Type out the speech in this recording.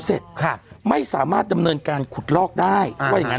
เสร็จครับไม่สามารถดำเนินการขุดลอกได้ว่าอย่างงั้น